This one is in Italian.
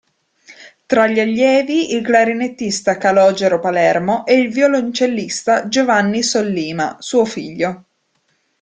Tra gli allievi il clarinettista Calogero Palermo e il violoncellista Giovanni Sollima, suo figlio.